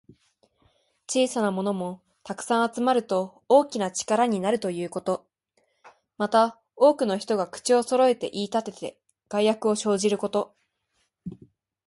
小さなものも、たくさん集まると大きな力になるということ。また、多くの人が口をそろえて言いたてて、害悪を生じること。